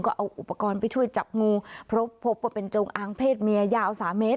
ก็เอาอุปกรณ์ไปช่วยจับงูเพราะพบว่าเป็นจงอางเพศเมียยาว๓เมตร